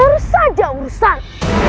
urusan saja urusan